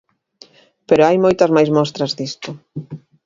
Pero hai moitas máis mostras disto.